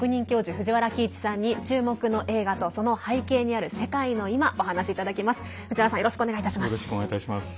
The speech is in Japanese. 藤原さん、よろしくお願いします。